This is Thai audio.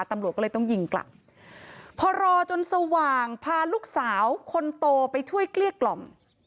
ตำรวจก็เลยต้องยิงกลับพอรอจนสว่างพาลูกสาวคนโตไปช่วยเกลี้ยกล่อม